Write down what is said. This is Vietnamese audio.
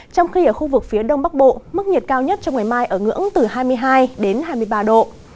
trong khi ở khu vực phía đông bắc bộ mức nhiệt cao nhất trong ngày mai ở ngưỡng từ hai mươi hai đến hai mươi ba độ